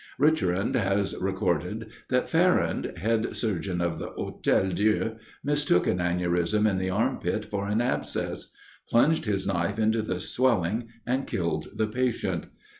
Richerand has recorded, that Ferrand, head surgeon of the Hotel Dieu, mistook an aneurism in the armpit for an abscess; plunged his knife into the swelling, and killed the patient.